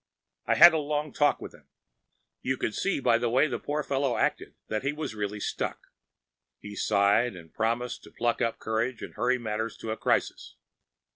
I had a long talk with him. You could see by the way the poor fellow acted that he was badly stuck. He sighed, and promised to pluck up courage to hurry matters to a crisis.